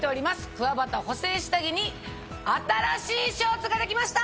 くわばた補整下着に新しいショーツができました！